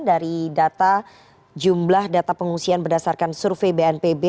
dari data jumlah data pengungsian berdasarkan survei bnpb